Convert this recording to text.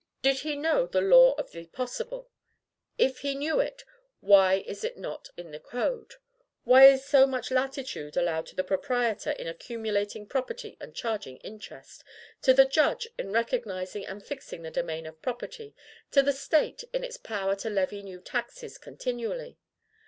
Did he know the law of the possible? If he knew it, why is it not in the Code? Why is so much latitude allowed to the proprietor in accumulating property and charging interest, to the judge in recognizing and fixing the domain of property, to the State in its power to levy new taxes continually?